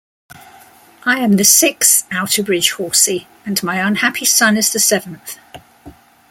I am the sixth Outerbridge Horsey and my unhappy son is the seventh.